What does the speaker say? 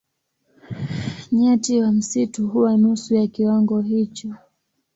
Nyati wa msitu huwa nusu ya kiwango hicho.